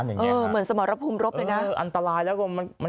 อย่างเงี้ยเออเหมือนสมรพภูมิรบเลยน่ะเอออันตรายแล้วก็มัน